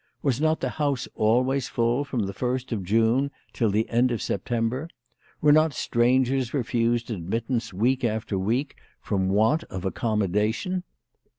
Was not the house always full from the 1st of June till the end of September ? Were not strangers refused admittance week after week from want of accommodation